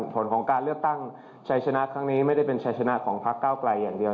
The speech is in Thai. ผลของการเลือกตั้งชัยชนะครั้งนี้ไม่ได้เป็นชัยชนะของพักเก้าไกลอย่างเดียว